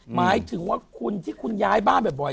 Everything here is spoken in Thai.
หมายถึงว่าคุณที่คุณย้ายบ้านบ่อย